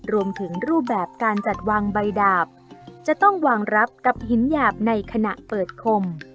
รูปแบบการจัดวางใบดาบจะต้องวางรับกับหินหยาบในขณะเปิดคม